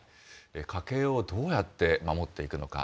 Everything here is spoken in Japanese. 家計をどうやって守っていくのか。